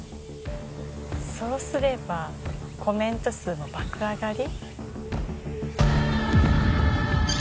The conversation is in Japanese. そうすればコメント数も爆上がり？